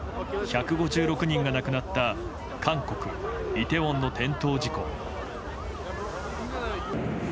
１５６人が亡くなった韓国イテウォンの転倒事故。